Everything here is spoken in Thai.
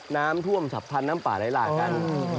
น้ำท่วมฉับพันธ์น้ำป่าไหลหลากกัน